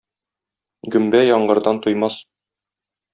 Гөмбә яңгырдан туймас.